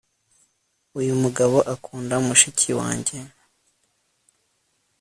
Uyu mugabo akunda mushiki wanjye